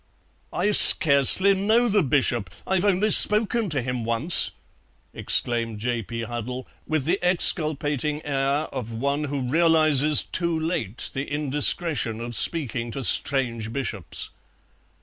"I scarcely know the Bishop; I've only spoken to him once," exclaimed J. P. Huddle, with the exculpating air of one who realizes too late the indiscretion of speaking to strange Bishops.